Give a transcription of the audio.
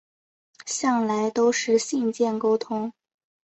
向来都是信件沟通